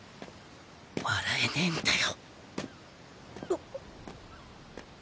笑えねえんだよ。